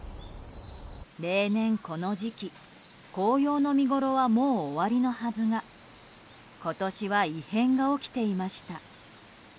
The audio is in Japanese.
例年、この時期紅葉の見ごろはもう終わりのはずが今年は異変が起きていました。